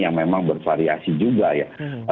yang memang bervariasi juga ya